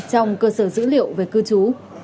trong cơ sở dữ liệu về cư chú